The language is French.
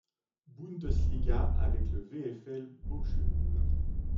Bundesliga avec le VfL Bochum.